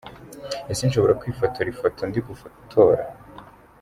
Ese Nshobora kwifotora ifoto ndi gutora ?